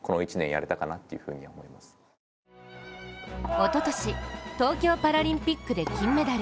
おととし、東京パラリンピックで金メダル。